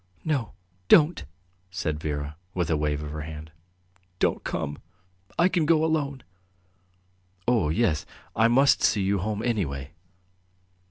"No, don't!" said Vera, with a wave of her hand. "Don't come; I can go alone." "Oh, yes ... I must see you home anyway."